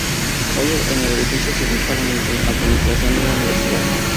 Hoy en el edificio se ubica la administración de la universidad.